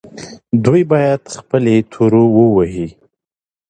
دوی باید خپلې تورو ووهي.